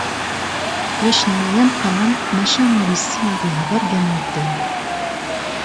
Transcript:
D acennay ameqqran, maca ur yessin ad yehder gar medden.